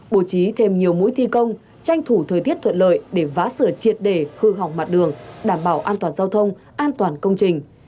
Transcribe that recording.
bổ trí thêm nhiều mũi thi công tranh thủ thời tiết thuận lợi để vã sửa triệt đề hư hỏng mặt đường đảm bảo an toàn giao thông an toàn công trình